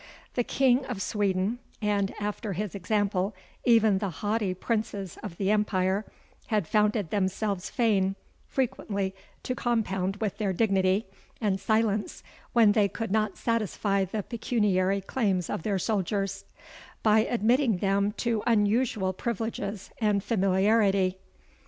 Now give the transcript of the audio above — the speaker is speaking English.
The King of Sweden, and, after his example, even the haughty Princes of the Empire, had found themselves fain, frequently to compound with their dignity, and silence, when they could not satisfy the pecuniary claims of their soldiers, by admitting them to unusual privileges and familiarity.